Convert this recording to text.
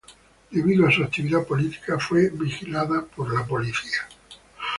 Debido a su actividad política fue vigilada por la policía.